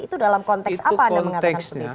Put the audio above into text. itu dalam konteks apa anda mengatakan seperti itu